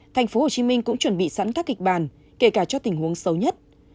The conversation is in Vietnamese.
tp hcm cũng chuẩn bị sẵn các kịch bàn kể cả cho tình huống sâu nhất